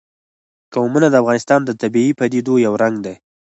قومونه د افغانستان د طبیعي پدیدو یو رنګ دی.